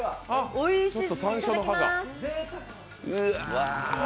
おいしい。